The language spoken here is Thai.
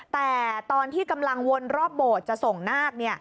แต่ตอนที่กำลังวนรอบโบสถ์จะส่งนาค